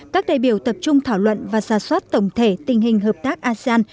các đại biểu tập trung thảo luận và xa xoát tổng thể tình hình hợp tác asean